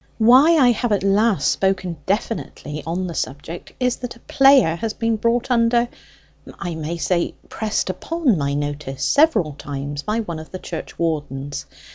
Why I have at last spoken definitely on the subject is that a player has been brought under I may say pressed upon my notice several times by one of the churchwardens.